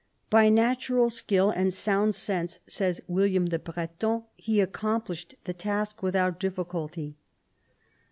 By natural skill and sound sense, says William the Breton, he accomplished the task without difficulty.